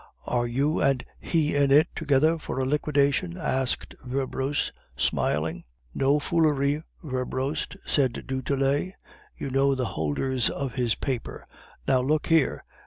"'Are you and he in it together for a liquidation?' asked Werbrust, smiling. "'No foolery, Werbrust,' said du Tillet. 'You know the holders of his paper. Now, look here.